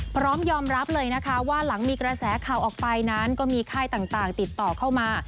พร้อมยอมรับเลยนะคะว่าหลังมีกระแสข่าวออกไปนั้นก็มีค่ายต่างติดต่อเข้ามา